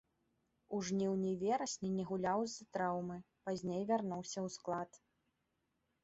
У жніўні і верасні не гуляў з-за траўмы, пазней вярнуўся ў склад.